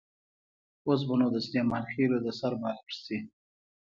اوس به نو د سلیمان خېلو د سر بالښت شي.